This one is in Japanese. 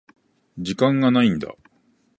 時間がないんだ。